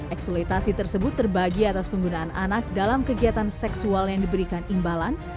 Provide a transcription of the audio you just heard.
eksploitasi tersebut terbagi atas penggunaan anak dalam kegiatan seksual yang diberikan imbalan